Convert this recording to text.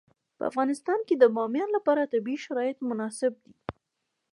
په افغانستان کې د بامیان لپاره طبیعي شرایط مناسب دي.